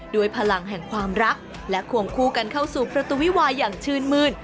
พลังแห่งความรักและควงคู่กันเข้าสู่ประตูวิวาอย่างชื่นมืน